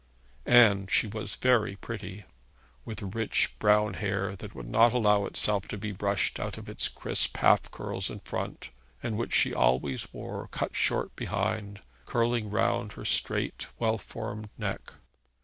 And she was very pretty, with rich brown hair that would not allow itself to be brushed out of its crisp half curls in front, and which she always wore cut short behind, curling round her straight, well formed neck.